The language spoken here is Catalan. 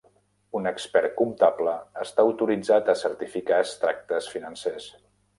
Un expert comptable està autoritzat a certificar extractes financers.